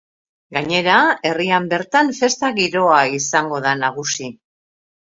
Gainera, herrian bertan festa-giroa izango da nagusi.